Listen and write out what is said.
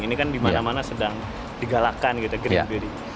ini kan dimana mana sedang digalakkan gitu green building